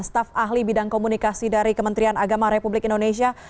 staf ahli bidang komunikasi dari kementerian agama republik indonesia